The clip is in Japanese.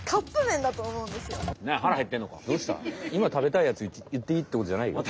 今食べたいやつ言っていいってことじゃないよ。